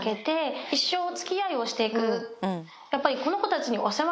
やっぱり。